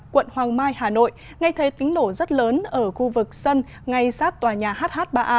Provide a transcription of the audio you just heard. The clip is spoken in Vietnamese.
quận hoàng mai hà nội ngay thấy tính nổ rất lớn ở khu vực sân ngay sát tòa nhà hh ba a